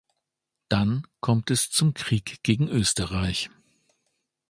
Dann kommt es zum Krieg gegen Österreich.